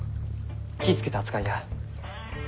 気ぃ付けて扱いや。